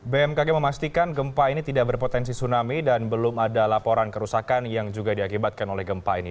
bmkg memastikan gempa ini tidak berpotensi tsunami dan belum ada laporan kerusakan yang juga diakibatkan oleh gempa ini